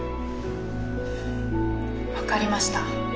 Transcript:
分かりました。